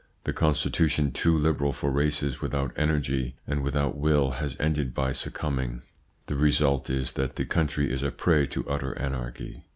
This constitution, too liberal for races without energy and without will, has ended by succumbing. The result is that the country is a prey to utter anarchy.